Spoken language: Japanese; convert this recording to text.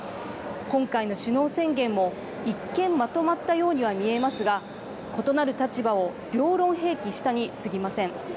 今回の首脳宣言も一見まとまったようには見えますが異なる立場を両論併記したにすぎません。